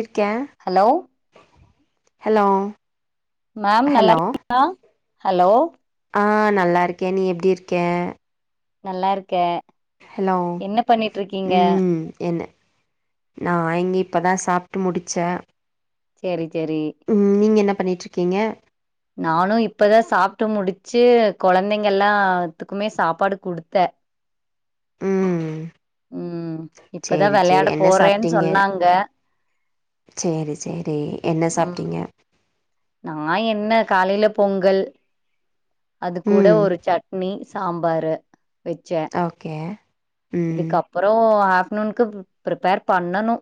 இருக்கேன் hello hello ma'am hello நல்லாருக்கீங்ளா hello ஆ நல்லாருக்கேன் நீ எப்டி இருக்கே நல்லாருக்கே ஹலோ ம் என்ன நான் இங்க இப்பதா சாப்ட்டு முடிச்சே சேரி சேரி ம் நீங்க என்ன பண்ணிட்டுருக்கீங்க நானும் இப்பதான் சாப்ட்டு முடிச்சு குழந்தைங்க எல்லாத்துக்குமே சாப்பாடு குடுத்தேன் ம் ம் இப்பதா சேரி சேரி வெளையாட என்ன போறேன்னு சாப்பிட்டீங்க சொன்னாங்க சேரி சேரி என்ன ம் சாப்ட்டீங்க நா என்ன காலையில பொங்கல் அது கூட ம் ஒரு சட்னி சாம்பாரு வெச்சே ஓகே ம் இதுக்கப்புறோ ஆஃப்நூன்க்கு ப்ரிப்பேர் பண்ணணு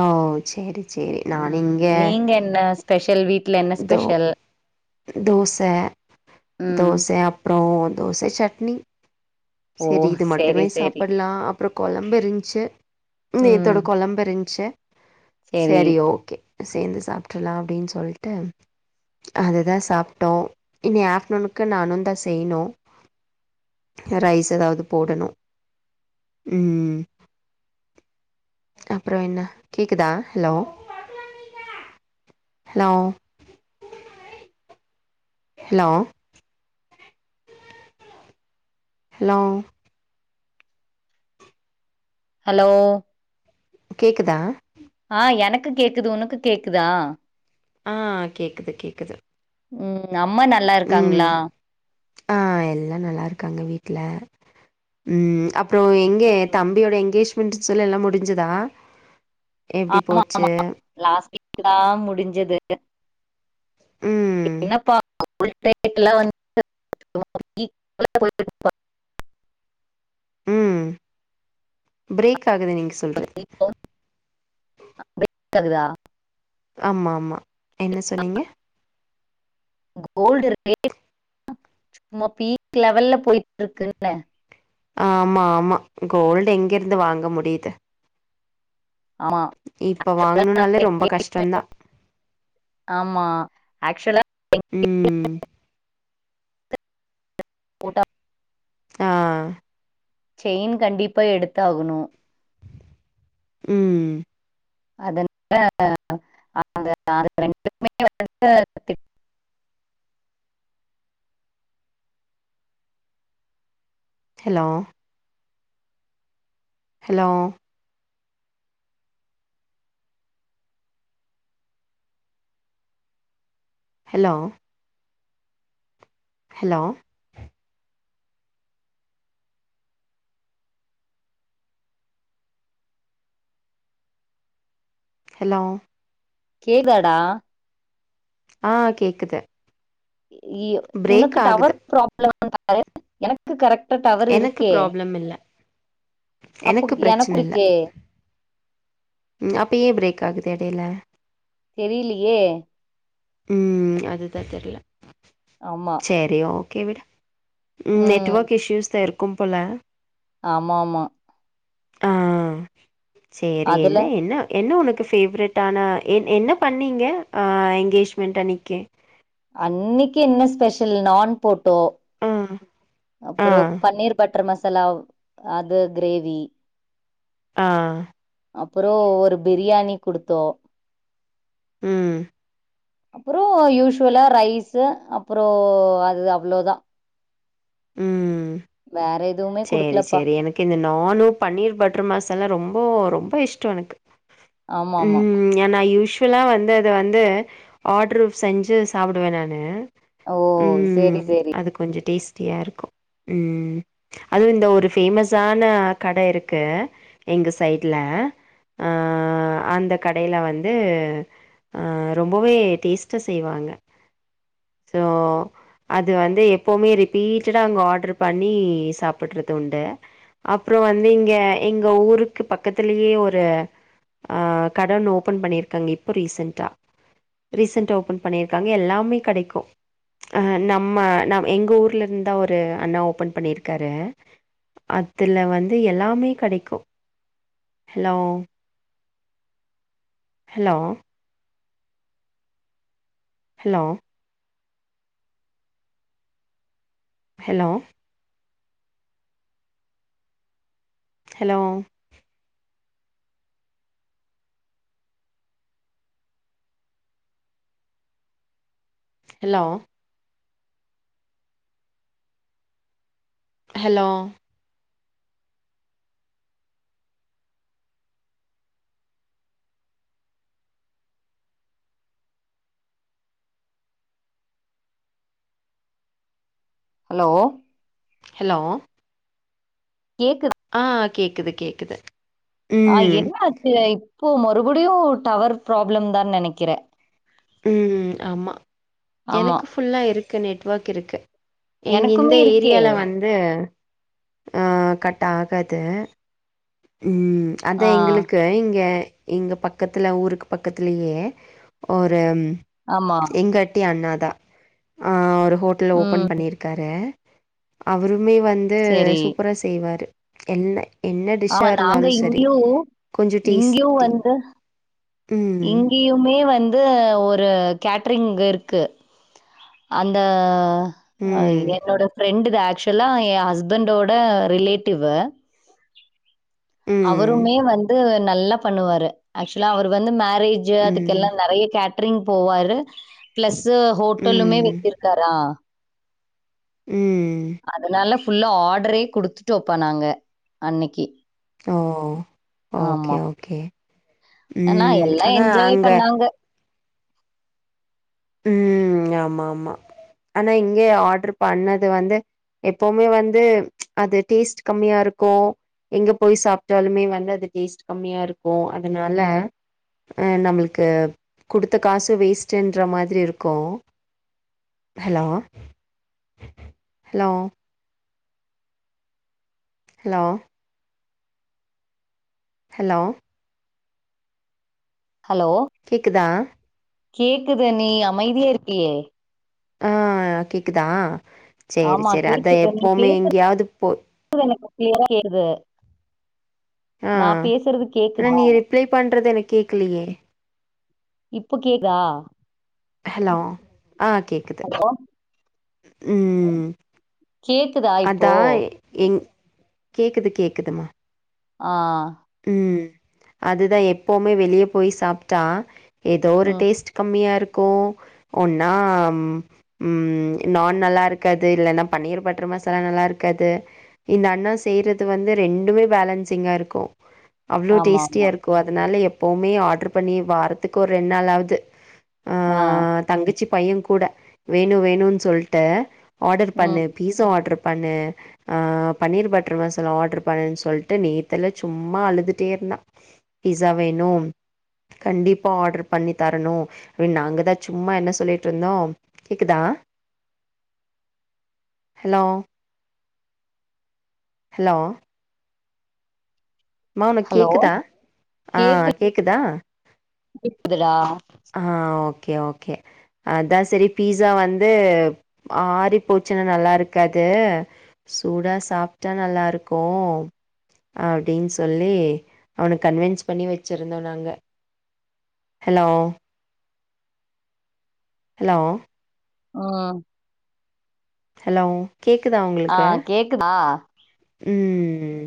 ஓ சேரி சேரி நானு ம் இங்க நீங்க என்ன ஸ்பெஷல் வீட்ல என்ன தோ ஸ்பெஷல் தோச ம் தோச அப்றோ தோச சட்னி ஓ செரி இது மட்டுமே சேரி சேரி சாப்பட்லா அ ப்றோ கொழம்பு இருந்ச்சு நேத்தோட ம் கொழம்பு இருந்ச்சு சேரி செரி ஓகே சேந்து சாப்ட்ரலா அப்டின் சொல்ட்டு அத தா சாப்ட்டோ இனி ஆஃப்நூனுக்கு நானுந்தா செய்யணு ரைஸ் எதாவது போடணு ம் அப்பறோ என்ன கேக்குதா hello hello hello hello hello கேக்குதா ஆ எனக்கு கேக்குது உனக்கு கேக்குதா ஆ கேக்குது கேக்குது ம் அம்மா நல்லா ம் இருக்காங்ளா ஆ எல்லா நல்லா இருக்காங்க வீட்ல ம் அப்றோ எங்க தம்பியோட என்ங்கேஜ்மெண்டுன் சொல்லி எல்லா முடிஞ்சிதா ஆமா ஆமா லாஸ்ட் வீக் தா முடிஞ்சது ம் என்னப்பா [unintelligible] ம் ஃப்ரேக் ஆகுது நீங்க சொல்றது [unintelligible] ஃபிரேக் ஆகுதா ஆமா ஆமா என்ன சொன்னீங்க கோல்டு ரேட்டு சும்மா பீக் லெவல்ல போய்ட்ருக்குன்ன ஆமா ஆமா கோல்டு எங்கிருந்து வாங்க முடியிது ஆமா இப்போ அதெல்லாம் நாங்க வாங்ணுனாலே ரொம்ப இங்கே- கஷ்டந்தா ஆமா ஆக்சுவலா ம். போட்டா ஆ செயின் கண்டிப்பா எடுத்து ஆகணு ம் அதனால அவுங்க ரெண்டுமே [unintelligible] வந்துட்டு hello hello hello hello hello கேக்தாடா ஆ கேக்குது இ பிரேக் உனக்கு ஆகுது. டவர் ப்ராப்ளமானு பாரு எனக்கு கரெக்டா டவர் இருக்கே மில்ல அப்போ எனக் குறிக்கே ம் அப்போ ஏ பிரேக் ஆகுது எடேல தெரியலையே ம் அதுதா தெர்ல ஆமா செரி ஓகே விடு ம் நெட்வொர்க் இஷ்யூஸா இருக்கு போல ஆமா ஆமா ஆ சேரி அதுல என்ன என்ன என்ன உனக்கு ஃபேவரெட் ஆன என் என்ன பண்ணீங்க ஆ எங்கேஜ்மெண்ட் அன்னைக்கே அன்னைக்கி என்ன ஸ்பெஷல் நான் போட்டோ ஆ ஆ அப்பறோ பன்னீர் பட்டர் மசாலா அது கிரேவி ஆ அப்பறோ ஒரு பிரியாணி குடுத்தோ ம் அப்பறோ யூஸ்வலா ரைஸ்சு அப்பறோ அது அவ்ளோதா ம் வேற எது சேரி சேரி எனக்கு இந்த நானு பன்னீர் பட்டர் மசாலா ரொம்போ ரொம்ப இஷ்டோ எனக்கு ஆமா ஆமா ம் ஏ நா யூஸ்வலா வந்து அத வந்து ஆர்டரு செஞ்சு சாப்டுவே நானு ஓ சேரி ம் சேரி அது கொஞ்சோ டேஸ்ட்டியா இருக்கு ம் அதும் இந்த ஒரு ஃபேமஸான கட இருக்கு எங்க சைட்ல ஆ அந்த கடேல வந்து அ ரொம்பவே டேஸ்ட்டா செய்வாங்க ஸோ அது வந்து எப்போவுமே ரிப்பீட்டடா அங்க ஆர்டரு பண்ணி சாப்டுறது உண்டு அப்பறோ வந்து இங்க எங்க ஊருக்கு பக்கத்திலேயே ஒரு அ கட ஒன்னு ஓபன் பண்ணிருக்காங்க இப்போ ரீசென்ட்டா ரீசண்டா ஓபன் பண்ணிருக்காங்க எல்லாமே கெடைக்கு அஹ நம்ம ந எங்க ஊர்ல இருந்தா ஒரு அண்ணா ஓபன் பண்ணிரு க்கரு அதுல வந்து எல்லாமே கெடைக்கு hello hello hello hello hello hello hello hello hello கேக்கு ஆ கேக்குது கேக்குது ஆ ம் என்ன ஆச்சு இப்போ மறுபடியு டவர் ப்ராப்ளம் தா நினைக்கிறே ம் ஆமாம் ஆமா எனக்கு ஃபுல்லா இருக்கு நெட்வொர்க் இருக்கு எங்க இந்த எனக்குமே இருக்கே ஏரியால வந்து ஆ கட் ஆகாது ம் அத ஆ எங்களுக்கு இங்க எங்க பக்கத்துல ஊருக்கு பக்கத்துலயே ஒரு ஆமா எங்க ஏ அண்ணா தா ஆ ஒரு ஹோட்டல் ம் ஓபன் பண்ணியிருக்காரு அவருமே வந் து செரி சூப்பரா செய்வாரு என்ன என் இத ஆமா நாங்க இருந்தாலு சேரி இங்கயு கொஞ்சோ டேஸ்டி ம் இங்கேயுமே வந்து ஒரு கேட்டரிங் இருக்கு அந்த ம் என்னோட ஃபிரெண்டு தா ஆக்சு இதெல்லா ஏ ஹஸ்பண்டோட ரிலேட்டிவ்வு ம் அவருமே வந்து நல்லா பண்ணுவாரு ஆக்சுவலா அவர் வந்து மேரேஜ் ம் அதுக்கெல்லா நெறைய கேட்டரிங் போவாரு பிளஸ்சு மட்டலுமே ம் வச்சிருக்காரா ம் அதனால ஃபுல்லா ஆர்டரே குடுத்துட்டு வைப்பே நாங்க அன்னைக்கி ஓ ஓகே ஓகே ஆனா ம் எல்லா ஆனா என்ஜாய் அங்க பண்ணாங்க ம் ஆமா ஆமா ஆனா இங்கேய ஆர்டரு பண்ணது வந்து எப்பவுமே வந்து அது டேஸ்ட் கம்மியா இருக்கு எங்க போய் சாப்பிட்டாலுமே வந்து அது டேஸ்ட் கம்மியா இருக்கு அதுனால ஆ நம்மளுக்கு கொடுத்த காசு வேஸ்ட்டு ன்ற மாதிரி இருக்கு hello hello hello hello hello கேக்குதா கேக்குத நீ அமைதியா இருக்கியே ஆ கேக்குதா சேரி ஆமா சேரி அத எப்பவுமே எங்கேயாவது போய் எனக்கு கிளயரா கேக்குது நா பேசுறது கேக்குதா அப்ளை பண்ணுறது எனக்கு கேட்கலையே இப்போ கேக்குதா ஹலோ ஆ கேக்குது ஹலோ ம் கேக்குதா இப்போ அதா எங்க கேக்குது கேக்குது மா ஆ ம் அதுதா எப்போவுமே வெளியே போய் சாப்பிட்டா ஏதோ ஒரு ம் டேஸ்ட் கம்மியா இருக்கு ஒன்னா ம் நான் நல்லா இருக்காது இல்லன்னா பன்னீர் பட்டர் மசாலா நல்லா இருக்காது இந்த அண்ணா செய்யரது வந்து ரெண்டுமே பேலன்சிங்காக இருக்கு அவ்வளோ ஆமா டேஸ்ட்டியா ஆமா இருக்கு அதனால எப்பவுமே ஆர்டர் பண்ணி வாரத்துக்கு ஒரு ரெண்டு நாள்ளாவது ஆ தங்கச்சி பையன் கூட வேணு வேணுன்னு சொல்லிட்டு ஆர்டர் பண்ணு ம் பீஸா ஆர்டர் பண்ணு ஆ பன்னீர் பட்டர் மசாலா ஆர்டரு பண்ணுன்னு சொல்லிட்டு நேத்தெல்லா சும்மா அழுதுட்டே இருந்தா பீஸா வேணும் கண்டிப்பா ஆர்டர் பண்ணி தரணு அப்டின்னு நாங்கதா சும்மா என்ன சொல்லிட்டு இருந்தோ கேக்குதா ஹலோ ஹலோ மாம் ஹலோ கேக்குதா ஆ கேக்கு கேக்குதா கேக்குதுடா ஆ ஓகே ஓகே அதான் சரி பீஸா வந்து ஆரிப் போச்சின நல்லாருக்காது சூடா சாப்ட்டா நல்லாருக்கு அப்டின்னு சொல்லி அவன கன்வின்ஸ் பண்ணி வச்சிருந்தோ நாங்க ஹலோ ஹலோ ம் ஹலோ கேக்குதா ஆ உங்களுக்கு கேக்குதா ம்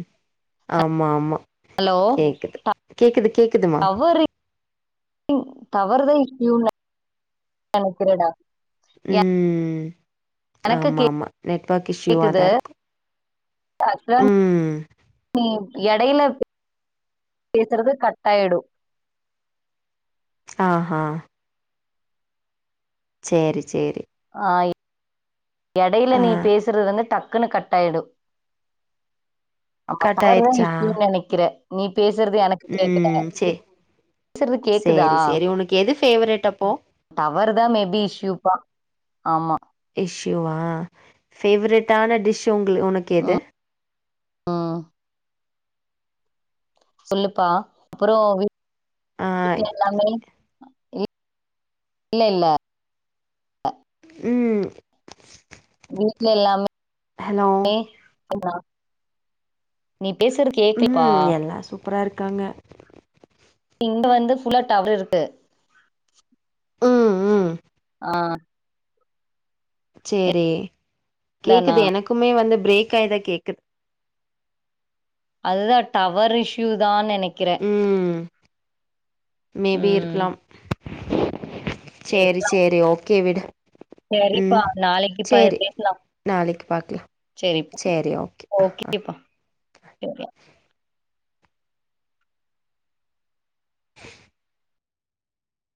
ஆமாம்மா ஹலோ கேக்குது கேக்குது கேக்குதுமா டவர் தா இஷ்யூ நெனைக்கிறடா ம் எனக்கு ஆமாம்மா நெட்வொர்க் இஷ்யூவா கேக்குது தா இருக்கு [unintelligible] எடையில பேசுறது கட்டாயிடும் ஆ ஹா சேரி செரி ஆ எடையில ஆ நீ பேசுறது வந்து டக்குன்னு கட்டாயிடு ஆமா கட் டவர்தா ஆயிருச்சா? இஷ்யூனு நெனைக்கிறே நீ பேசுறது எனக் ம் சே பேசறது கேக்குதா சேரி, சேரி. உனக்கு எது ஃபேவரட் அப்போ? டவர் தா மேபி இஷ்யூப்பா ஆமா இஷ்யூாவா ஃபேவரடான டிஷ் உங்களு உனக்கு எது ம். ம் சொல்லுப்பா அப்றோ ஆ வீட்ல எல்லாமே ஆ இ இல்ல இல்ல ம் வீட்ல ஹலோ. எல்லாமே நீ பேசுற ம் எல்லா சூப்பராருக்காங்க இங்க வந்து ஃபுல்லா டவர் இருக்கு ம் ம் ஆ செரி தானா? கேக்குது எனக்குமே வந்து பிரேக் ஆயிதா கேக்குது அதுதா டவர் இஷ்யூ தான் நெனைக்கிறே ம் மேபி ம். இருக்கலாம் சேரி சேரி ஓகே விடு செரிப்பா ம் நாளைக்குப் பா சேரி பேசலாம் நாளைக்கு பாக்கலாம் சேரிப்பா சேரி ஓகே அ அ ஓகேப்பா [unintelligible] [unintelligible]